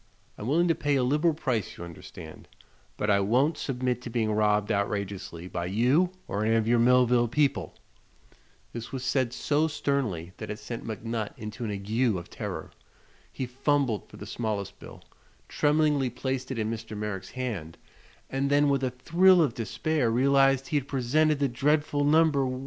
I'm willing to pay a liberal price, you understand, but I won't submit to being robbed outrageously by you or any of your Millville people." This was said so sternly that it sent McNutt into an ague of terror. He fumbled for the smallest bill, tremblingly placed it in Mr. Merrick's hand, and then with a thrill of despair realized he had presented the dreadful No. 1!